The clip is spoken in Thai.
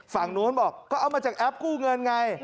ฝั่งนู้นบอกก็เอามาจากแอปกู้เงินไง